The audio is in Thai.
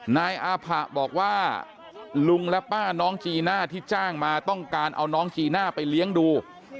นายอาผะบอกว่าลุงและป้าน้องจีน่าที่จ้างมาต้องการเอาน้องจีน่าไปเลี้ยงดู